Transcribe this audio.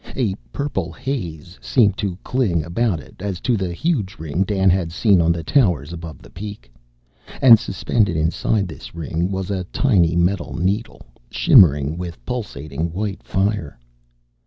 A purple haze seemed to cling about it, as to the huge ring Dan had seen on the towers above the peak. And suspended inside this ring was a tiny metal needle, shimmering with pulsating white fire.